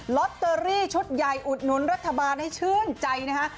ลอตเตอรี่ชุดใหญ่อุดหนุนรัฐบาลให้ชื่นใจนะฮะ